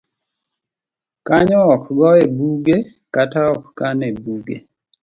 Kanyo ok goye buge kata ok kan e buge.